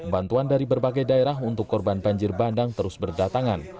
bantuan dari berbagai daerah untuk korban banjir bandang terus berdatangan